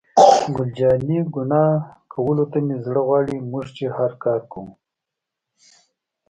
ګل جانې: ګناه کولو ته مې زړه غواړي، موږ چې هر کار کوو.